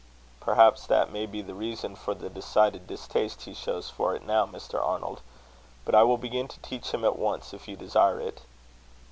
"Perhaps that may be the reason for the decided distaste he shows for it now, Mr. Arnold. But I will begin to teach him at once, if you desire it."